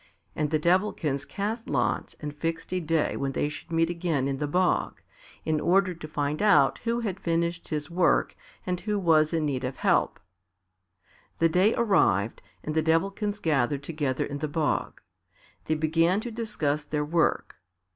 And the Devilkins cast lots and fixed a day when they should meet again in the bog, in order to find out who had finished his work and who was in need of help. The day arrived and the Devilkins gathered together in the bog. They began to discuss their work.